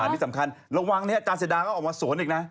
อ้านี่สำคัญระวังนะครับอาจารย์เชดาก็ออกมาสวนอีกนะ